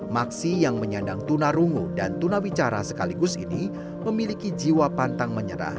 maksi yang menyandang tunarungu dan tunawicara sekaligus ini memiliki jiwa pantang menyerah